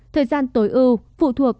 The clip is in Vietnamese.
thời gian tối ưu phụ thuộc